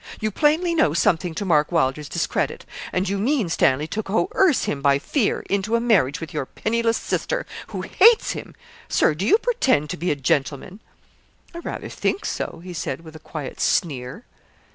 You plainly know something to Mark Wylder's discredit; and you mean, Stanley, to coerce him by fear into a marriage with your penniless sister, who hates him. Sir, do you pretend to be a gentleman?' 'I rather think so,' he said, with a quiet sneer.